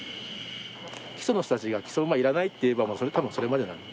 木曽の人たちが木曽馬いらないって言えばもう多分それまでなので。